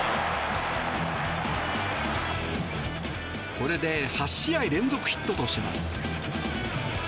これで８試合連続ヒットとします。